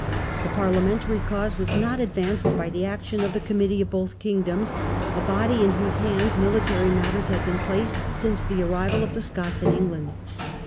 The Parliamentary cause was not advanced by the action of the " Committee of Both Kingdoms ", a body in whose hands military matters had been placed since the arrival of the Scots in England.